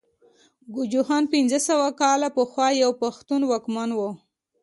ګجوخان پنځه سوه کاله پخوا يو پښتون واکمن وو